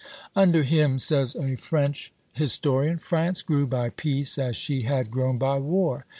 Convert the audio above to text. "Under him," says a French historian, "France grew by peace as she had grown by war....